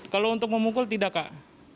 kalau untuk memukul tidak kak